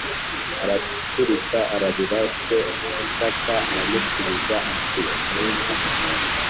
araturika ararira Se Isaka aramusubiza ati muze